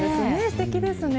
すてきですね。